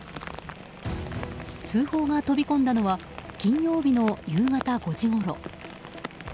速報が飛び込んだのは金曜日の夕方５時ごろ。